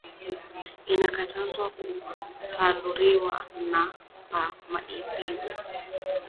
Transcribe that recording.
Ina katazwa ku paluria pa maibwe